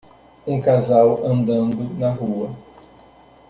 Um casal andando na rua